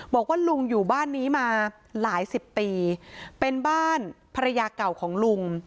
บอกว่าลุงอยู่บ้านนี้มาหลายสิบปีเป็นบ้านภรรยาเก่าของลุง